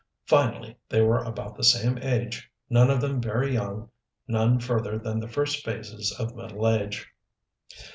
Finally they were about the same age none of them very young, none further than the first phases of middle age.